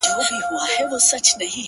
خیال دي ـ